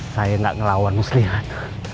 saya tidak melawan muslihat